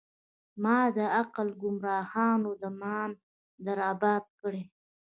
مــــــــا د عـــــــقل ګــــمراهانو د مغان در اباد کړی